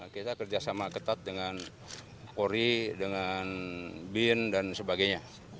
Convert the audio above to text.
kita kerjasama ketat dengan polri dengan bin dan sebagainya